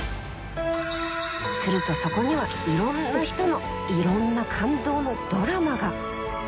するとそこにはいろんな人のいろんな感動のドラマが！